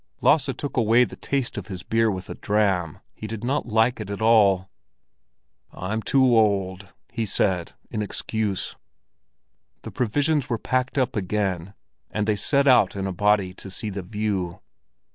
Lasse took away the taste of his beer with a dram; he did not like it at all. "I'm too old," he said, in excuse. The provisions were packed up again, and they set out in a body to see the view.